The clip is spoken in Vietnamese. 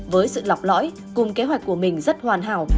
với sự lọc lõi cùng kế hoạch của mình rất hoàn hảo